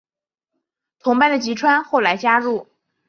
同班的吉川后来加入。